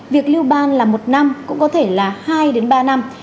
việc lưu ban là một năm cũng có thể là hai đến ba năm